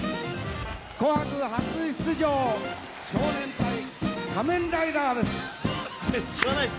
「紅白」初出場少年隊、「仮面ライダー」です。